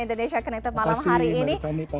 indonesia connected malam hari ini